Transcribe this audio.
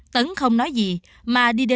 tấn không nói gì mà đi đến gần anh tâm